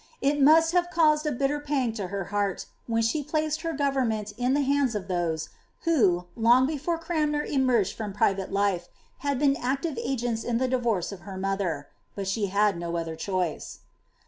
It must have caused a hiitri pang to her hwrt, when she placed her government in the hands of those, who, Jong before Cnnmer emerged fioin private life, had been active agents in the divorca of her mother; but she had no other choice.